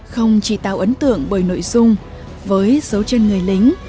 không chỉ tạo ấn tượng bởi nội dung với dấu chân người lính